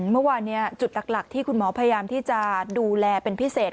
เมื่อวานจุดหลักที่คุณหมอพยายามที่จะดูแลเป็นพิเศษ